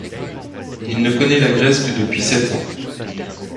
Il ne connaît la Grèce que depuis sept ans.